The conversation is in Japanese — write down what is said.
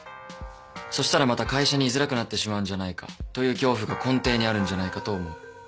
そしたらまた会社に居づらくなってしまうんじゃないかという恐怖が根底にあるんじゃないかと思う。